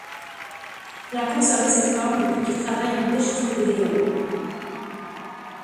Il a conservé cette forme depuis qu'il travaille en Digital Video.